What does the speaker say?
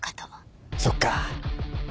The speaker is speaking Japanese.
そっか。